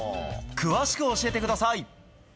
詳しく教えてください。